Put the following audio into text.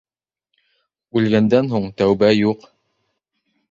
Үлгәндән һун тәүбә юҡ.